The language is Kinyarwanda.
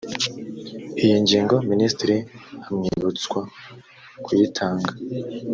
iyi ngingo minisitiri amwibutswa kuyitanga